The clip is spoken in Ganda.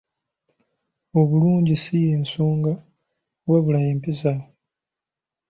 Obulungi si y’ensonga wabula empisa.